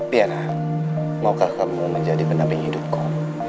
pianah maukah kamu menjadi penampil hidupku